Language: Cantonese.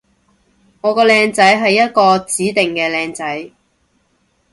我個靚仔係一個指定嘅靚仔